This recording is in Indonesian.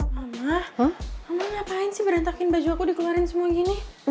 mama kamu ngapain sih berantakin baju aku dikeluarin semua gini